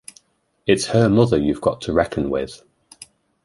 It’s her mother you’ve got to reckon with.